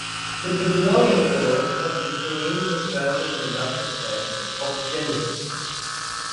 The Babylonian poet had before him the present redacted text of Genesis.